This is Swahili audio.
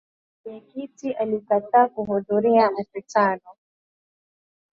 Mwenyekiti alikataa kuhudhuria mkutano